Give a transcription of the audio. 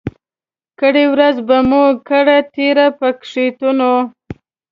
کرۍ ورځ به مو کړه تېره په ګښتونو